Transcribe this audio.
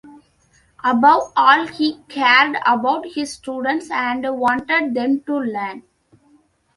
Above all, he cared about his students and wanted them to learn.